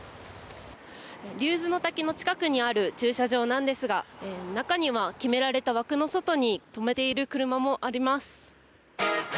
竜頭の滝の近くにある駐車場なんですが中には決められた枠の外に停めている車もあります。